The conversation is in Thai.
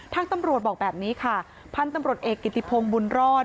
ทางตำรวจบอกแบบนี้ค่ะพันธุ์ตำรวจเอกกิติพงศ์บุญรอด